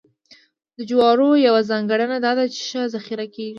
د جوارو یوه ځانګړنه دا ده چې ښه ذخیره کېږي.